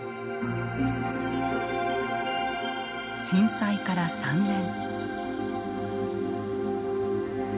震災から３年。